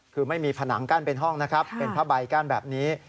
คือไม่มีผนังกั้นเป็นห้องนะครับเป็นผ้าใบกั้นแบบนี้